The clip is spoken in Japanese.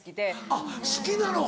あっ好きなの？